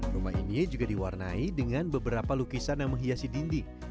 rumah ini juga diwarnai dengan beberapa lukisan yang menghiasi dinding